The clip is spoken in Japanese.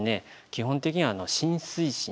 基本的には浸水深。